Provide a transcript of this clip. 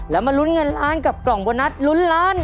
แล้วมาลุ้นเงินล้านกับกล่องโบนัสลุ้นล้าน